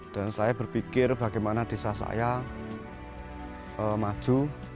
dan saya berpikir bagaimana desa saya maju